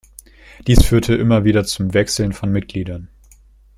Dies führte immer wieder zum Wechseln von Mitgliedern.